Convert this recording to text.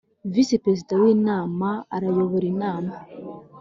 Visi Perezida w ‘Inama arayobora inama.